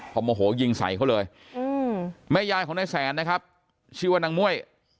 พอโมโหยิงใส่เขาเลยแม่ยายของนายแสนนะครับชื่อว่านางม่วย